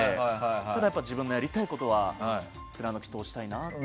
ただ、自分のやりたいことは貫き通したいなと。